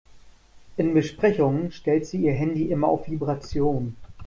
In Besprechungen stellt sie ihr Handy immer auf Vibration.